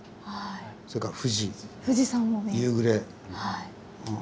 それから富士夕暮れ。